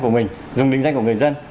của mình dùng định danh của người dân